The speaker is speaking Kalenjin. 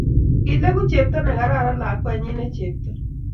kileku chepto ne kararan lakwenyin ne chepto